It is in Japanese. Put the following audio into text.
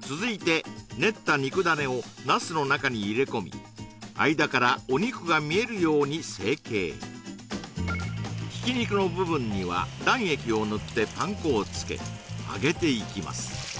続いて練った肉ダネをナスの中に入れ込み間からお肉が見えるように成形ひき肉の部分には卵液を塗ってパン粉をつけ揚げていきます